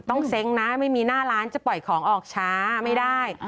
เซ้งนะไม่มีหน้าร้านจะปล่อยของออกช้าไม่ได้